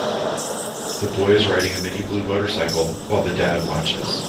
The boy is riding a mini blue motorcycle, while the dad watches.